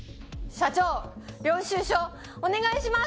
社長領収書お願いします！